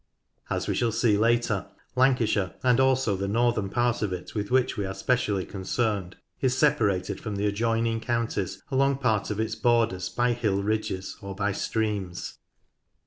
As we shall see later, Lancashire, and also the northern part of it with which we are specially concerned, is separated from the ad joining counties along part of its borders by hill ridges or by streams.